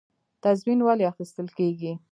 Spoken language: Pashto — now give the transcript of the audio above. تضمین ولې اخیستل کیږي؟